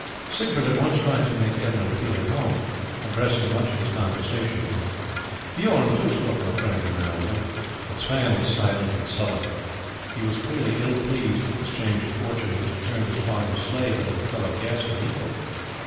Siegbert at once tried to make Edmund feel at home, addressing much of his conversation to him. Bijorn, too, spoke in a friendly manner with him, but Sweyn was silent and sullen; he was clearly ill pleased at this change of fortune which had turned his father's slave into a fellow guest and equal.